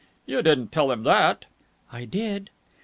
"You didn't tell him that!" "I did."